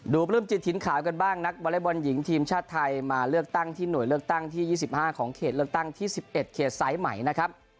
ปลื้มจิตถิ่นขาวกันบ้างนักวอเล็กบอลหญิงทีมชาติไทยมาเลือกตั้งที่หน่วยเลือกตั้งที่๒๕ของเขตเลือกตั้งที่๑๑เขตสายใหม่นะครับ